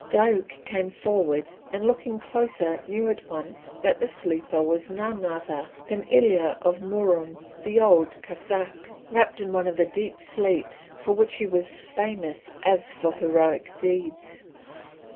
Diuk came forward, and looking closer knew at once that the sleeper was none other than Ilya of Murom the Old Cossáck, wrapt in one of the deep sleeps for which he was as famous as for heroic deeds.